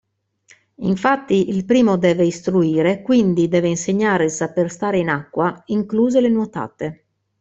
Infatti, il primo deve istruire quindi deve insegnare il saper stare in acqua, incluse le nuotate.